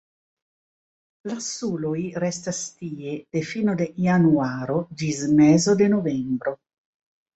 La suloj restas tie de fino de januaro ĝis mezo de novembro.